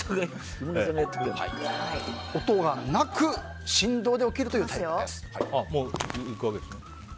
音がなく振動で起きるというタイプです。